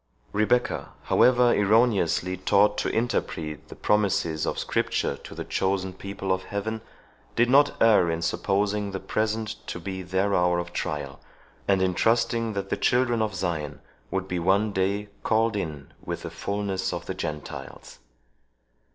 Rebecca, however erroneously taught to interpret the promises of Scripture to the chosen people of Heaven, did not err in supposing the present to be their hour of trial, or in trusting that the children of Zion would be one day called in with the fulness of the Gentiles.